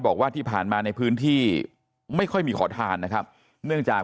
บอกว่าที่ผ่านมาในพื้นที่ไม่ค่อยมีขอทานนะครับเนื่องจาก